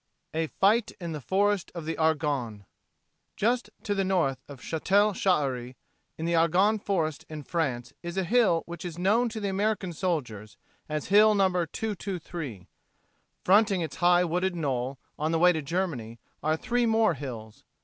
I A FIGHT IN THE FOREST OF THE ARGONNE Just to the north of Chatel Chehery, in the Argonne Forest in France, is a hill which was known to the American soldiers as "Hill No. 223." Fronting its high wooded knoll, on the way to Germany, are three more hills.